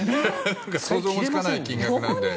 想像もつかない金額なので。